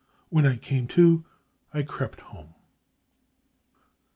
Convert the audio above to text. When I came to X crept home.